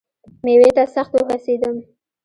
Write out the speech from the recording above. مېوې ته سخت وهوسېدم .